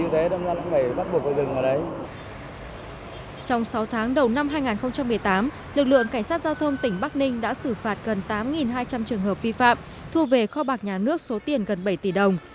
trong sáu tháng đầu năm hai nghìn một mươi tám lực lượng cảnh sát giao thông tỉnh bắc ninh đã xử phạt gần tám hai trăm linh trường hợp vi phạm thu về kho bạc nhà nước số tiền gần bảy tỷ đồng